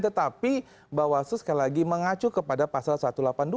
tetapi bawaslu sekali lagi mengacu kepada pasal satu ratus delapan puluh dua